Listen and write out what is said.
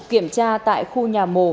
kiểm tra tại khu nhà mồ